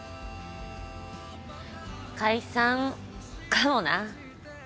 解散かもな。